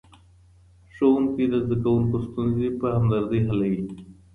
ښوونکی د زدهکوونکو ستونزې په همدردۍ حلوي.